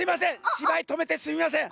しばいとめてすいません！